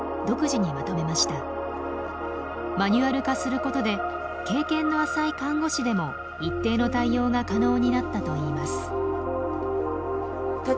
マニュアル化することで経験の浅い看護師でも一定の対応が可能になったといいます。